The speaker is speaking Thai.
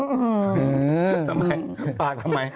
ทำไมปากทำไม